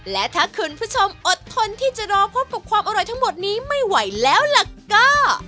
และถ้าคุณผู้ชมอดทนที่จะรอพบกับความอร่อยทั้งหมดนี้ไม่ไหวแล้วล่ะก็